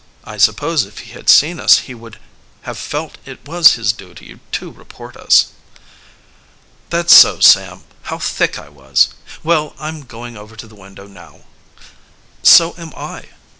I suppose if he had seen us he would have felt it was his duty to report us." "That's so, Sam. How thick I was! Well, I'm going over to the window now." "So am I."